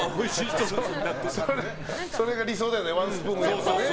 それが理想だよねワンスプーンのね。